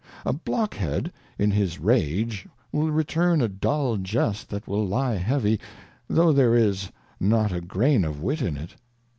A Blockhead in his Rage will return a dull Jest that will lie heavy, though there is not a Grain of Wit in it.